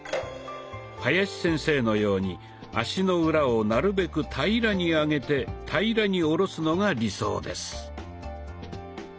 林先生のように足の裏をなるべく平らに上げて平らに下ろすのが理想です。